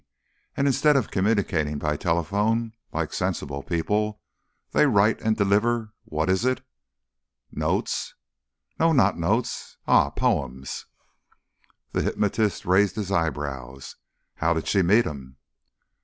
And instead of communicating by telephone, like sensible people, they write and deliver what is it?" "Notes?" "No not notes.... Ah poems." The hypnotist raised his eyebrows. "How did she meet him?"